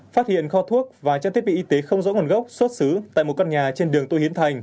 phát hiện kho thuốc và trang thiết bị y tế không rõ nguồn gốc xuất xứ tại một căn nhà trên đường tô hiến thành